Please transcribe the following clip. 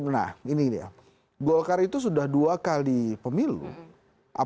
nah gini ya golkar itu sudah dua kali pemilu apapun case nya ada case waktu itu ada yang bilang